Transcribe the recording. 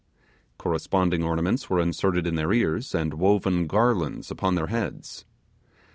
Corresponding ornaments were inserted in their ears, and woven garlands upon their heads.